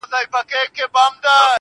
زلفې دې په غرونو کي راونغاړه~